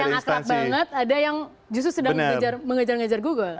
yang akrab banget ada yang justru sedang mengejar ngejar google